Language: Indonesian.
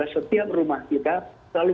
setiap rumah kita selalu